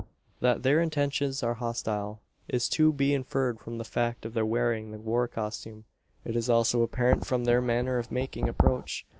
That their intentions are hostile, is to be inferred from the fact of their wearing the war costume. It is also apparent from their manner of making approach.